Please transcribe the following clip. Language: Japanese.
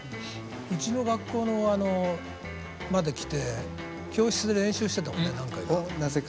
うちの学校のあのまで来て教室で練習してたもんね何回か。